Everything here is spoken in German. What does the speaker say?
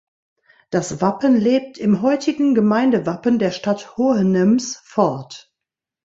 Das Wappen lebt im heutigen Gemeindewappen der Stadt Hohenems fort.